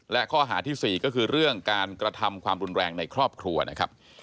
และข้อหาที่๔ก็คือเรื่องการกระทำความรุนแรงในครอบครัวนะครับ